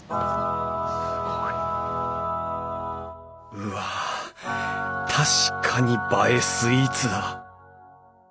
うわ確かに映えスイーツだ。